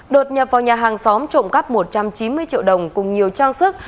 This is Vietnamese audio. đột nhập vào nhà hàng xóm trộm cắp một trăm chín mươi triệu đồng cùng nhiều trang sức